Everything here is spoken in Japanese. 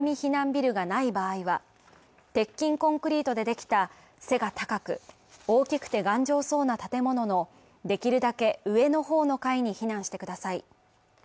近くに高台や津波避難ビルがない場合は、鉄筋コンクリートでできた背が高く、大きくて頑丈そうな建物のできるだけ上の方の階に避難してください。